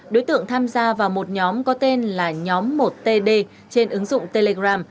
đối tượng tham gia vào một nhóm có tên là nhóm một td trên ứng dụng telegram